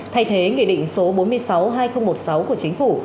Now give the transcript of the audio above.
thay thế nghị định số bốn mươi sáu hai nghìn một mươi sáu của chính phủ